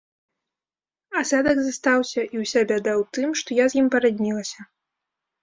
Асадак застаўся і ўся бяда ў тым, што я з ім параднілася.